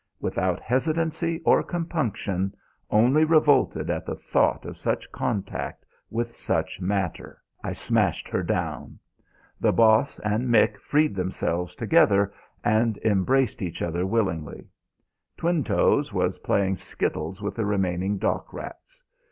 Without hesitancy or compunction, only revolted at the thought of such contact with such matter, I smashed her down. The Boss and Mick freed themselves together and embraced each other willingly. Twinetoes was playing skittles with the remaining dock rats.